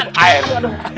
aduh aduh aduh